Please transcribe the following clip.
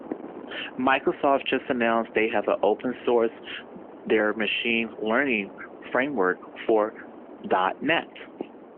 Microsoft just announced they have open sourced their machine learning framework for dot net.